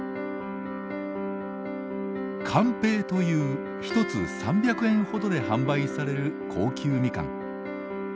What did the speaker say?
甘平という１つ３００円ほどで販売される高級みかん。